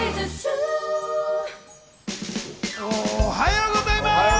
おはようございます！